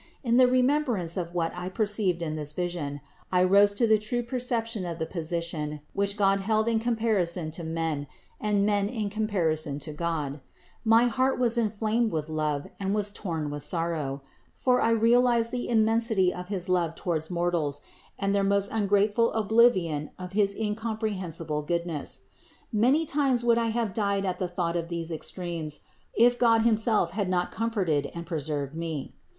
In the re membrance of what I perceived in this vision, I rose to the true perception of the position which God held in comparison to men and men in comparison to God; my heart was inflamed with love and was torn with sorrow ; for I realized the immensity of his love towards mortals, and their most ungrateful oblivion of his incomprehensible goodness. Many times would I have died at the thought of these extremes, if God himself had not comforted and preserved me.